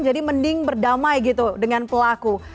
jadi mending berdamai gitu dengan pelaku